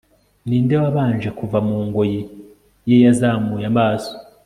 ninde wabanje kuva mu ngoyi ye yazamuye amaso